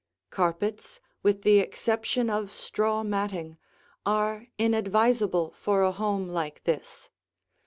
Carpets, with the exception of straw matting, are inadvisable for a home like this.